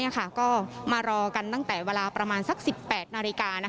ก็มารอกันตั้งแต่เวลาประมาณสัก๑๘นาฬิกา